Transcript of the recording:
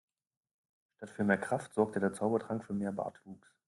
Statt für mehr Kraft sorgte der Zaubertrank für mehr Bartwuchs.